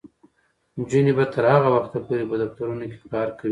نجونې به تر هغه وخته پورې په دفترونو کې کار کوي.